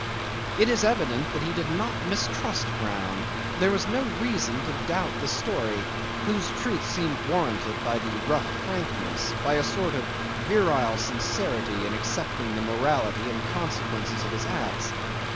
'It is evident that he did not mistrust Brown; there was no reason to doubt the story, whose truth seemed warranted by the rough frankness, by a sort of virile sincerity in accepting the morality and the consequences of his acts.